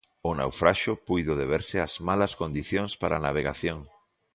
O naufraxio puido deberse ás malas condicións para a navegación.